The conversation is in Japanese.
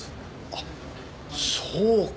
あっそうか。